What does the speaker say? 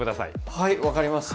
はい分かりました。